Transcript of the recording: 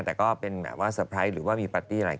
แต่ก็เป็นแบบว่าเตอร์ไพรส์หรือว่ามีปาร์ตี้อะไร